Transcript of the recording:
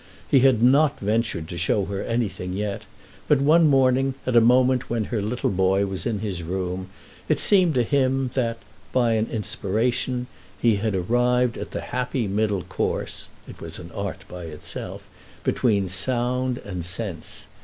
He had not ventured to show her anything yet, but one morning, at a moment when her little boy was in his room, it seemed to him that, by an inspiration, he had arrived at the happy middle course (it was an art by itself), between sound and sense.